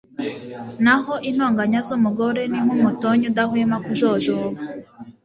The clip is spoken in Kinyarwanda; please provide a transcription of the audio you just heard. naho intonganya z’umugore ni nk’umutonyi udahwema kujojoba